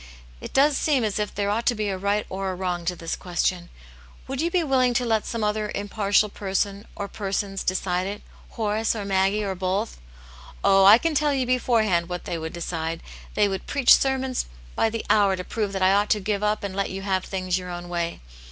It does seem as if there ought to be a right or a wrong to this ques tion. Would you be willing to let some other im partial person, or persons, decide it? Horace, or Maggie, or both V " Oh, I can tell you beforehand v^Vv^iX. \\\.^^^<^>^^ 1 88 Aunt Jane's Hero. decide. They would preach sermons by the hour to prove that I ought to give up and let you have things your own way.